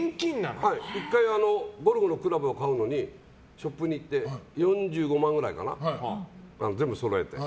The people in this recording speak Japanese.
１回、ゴルフのクラブを買うのにショップに行って４５万ぐらいかな、全部そろえて。